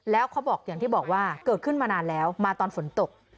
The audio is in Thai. แล้วเขาบอกอย่างที่บอกว่าเกิดขึ้นมานานแล้วมาตอนฝนตก